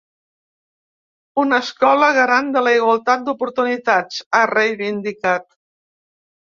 Una escola garant de la igualtat d’oportunitats, ha reivindicat.